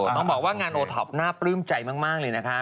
ต้องบอกว่างานโอท็อปน่าปลื้มใจมากเลยนะคะ